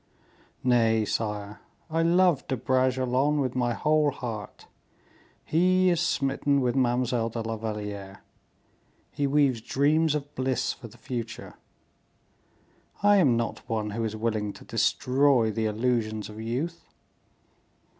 "Nay, sire; I love De Bragelonne with my whole heart; he is smitten with Mademoiselle de la Valliere, he weaves dreams of bliss for the future; I am not one who is willing to destroy the illusions of youth.